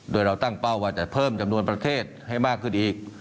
โดยเราตั้งเป้าว่าจะเพิ่มจำนวนประเทศให้มากขึ้นอีก